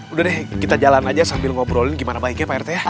udah deh kita jalan aja sambil ngobrolin gimana baiknya pak rt ya